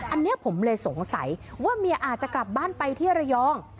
อันนี้ผมเลยสงสัยว่าเมียอาจจะกลับบ้านไปที่ระยอง